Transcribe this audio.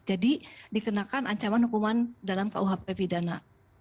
jadi dikenakan ancaman hukuman dalam kuhp pidana